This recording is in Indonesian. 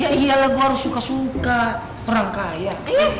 ya iyalah gue harus suka suka orang kaya